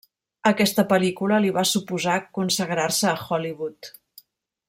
Aquesta pel·lícula li va suposar consagrar-se a Hollywood.